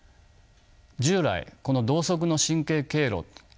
従来この同側の神経経路